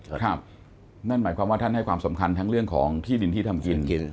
นั่นหมายความว่าท่านให้ความสำคัญทั้งเรื่องของที่ดินที่ทำกิน